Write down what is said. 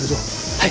はい。